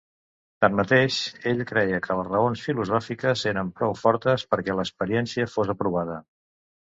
Tanmateix, ell creia que les raons filosòfiques eren prou fortes perquè l'experiència fos aprovada.